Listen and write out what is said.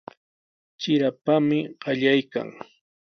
Trirapami qallaykan.